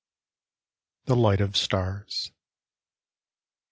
THE LIGHT OF STARS.